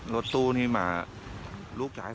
รถสู้นี่มาลูกชาย